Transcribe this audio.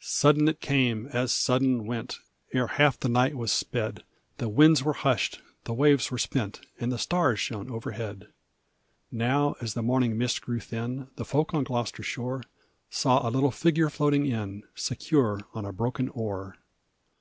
Sudden it came, as sudden went; Ere half the night was sped, The winds were hushed, the waves were spent, And the stars shone overhead. Now, as the morning mist grew thin, The folk on Gloucester shore Saw a little figure floating in Secure, on a broken oar!